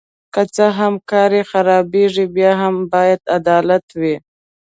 که څه هم کار یې خرابیږي بیا هم باید عدالت وي.